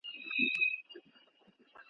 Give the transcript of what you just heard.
د نیکه وصیت مو خوښ دی که پر لاره به د پلار ځو .